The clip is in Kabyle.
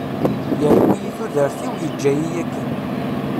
Yerwi-iyi tudert-iw yeǧǧa-iyi akken.